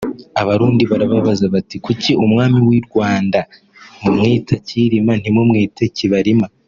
Abarundi barababaza bati “Kuki Umwami w’i Rwanda mumwita Cyirima ntimumwite Kibarima